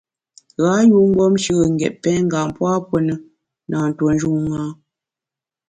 Ghâ yun mgbom shùe n’ ngét pèngam pua puo ne, na ntuo njun ṅa.